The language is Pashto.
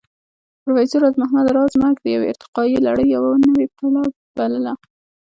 پروفېسر راز محمد راز مرګ د يوې ارتقائي لړۍ يوه نوې پله بلله